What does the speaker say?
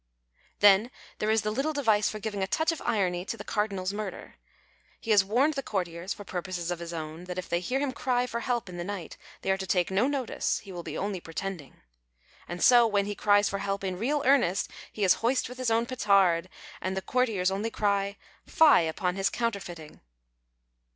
Then there is the little device for giving a touch of irony to the Cardinal's murder. He has warned the courtiers, for purposes of his own, that if they hear him cry for help in the night they are to take no notice ; he will be only pretending. And so, when he cries for help in real earnest, he is hoist with his own petard, and the courtiers only cry, " Fie upon his counterfeiting."